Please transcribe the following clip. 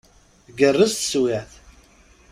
Tgerrez teswiɛt.